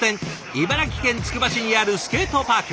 茨城県つくば市にあるスケートパーク。